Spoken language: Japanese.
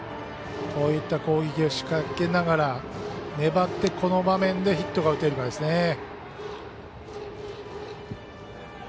こういった攻撃をしっかり受けながら粘って、この場面でヒットが打てるかですね。